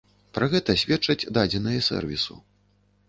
Пра гэта сведчаць дадзеныя сэрвісу.